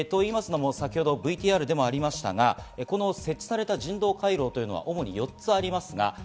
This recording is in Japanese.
先ほどＶＴＲでもありましたが、設置された人道回廊というのは主に４つあります。